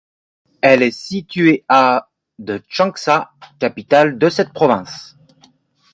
Elle est située à de Changsha, capitale de cette province.